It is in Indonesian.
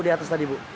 dari atas tadi bu